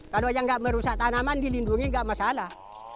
kalau yang tidak merusak tanaman dilindungi tidak masalah